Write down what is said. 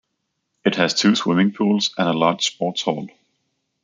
It has two swimming pools and a large sports hall.